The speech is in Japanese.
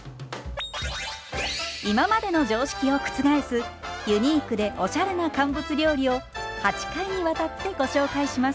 今までの常識を覆すユニークでおしゃれな乾物料理を８回にわたってご紹介します。